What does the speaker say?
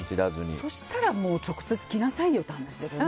そしたら、もう直接来なさいよって話だけどね。